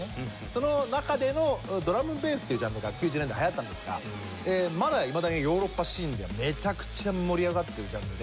その中でのドラムンベースっていうジャンルが９０年代流行ったんですがまだいまだにヨーロッパシーンではめちゃくちゃ盛り上がってるジャンルで。